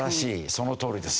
そのとおりです。